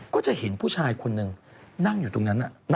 ก็จะเห็นผู้ชายคนหนึ่งนั่งอยู่ตรงนั้น